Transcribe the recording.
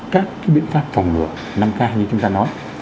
các biện pháp phòng ngừa năm k như chúng ta nói